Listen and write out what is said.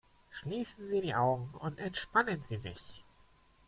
Schließen Sie die Augen und entspannen Sie sich!